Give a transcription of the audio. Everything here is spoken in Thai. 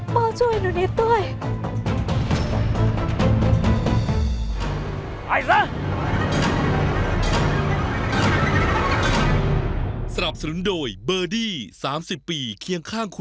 ป่าวช่วยนู่นนี่ด้วย